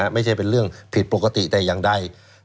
ไม่ใช่เป็นเรื่องผิดปกติแต่ยังได้